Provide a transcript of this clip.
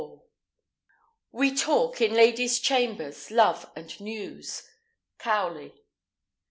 We talk, in ladies' chambers, love and news. Cowley.